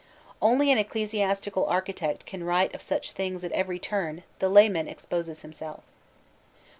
Only an ecclesiastical architect can write of such things at every turn the layman exposes himself.